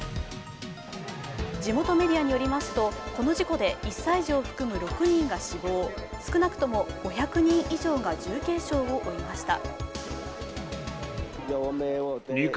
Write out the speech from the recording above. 地元メディアによりますとこの事故で１歳児を含む６人が死亡、少なくとも５００人以上が重軽傷を負いました。